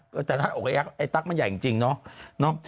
แต่ถ้าหน้าอกไอ้ตั๊กมันใหญ่จริงเนอะ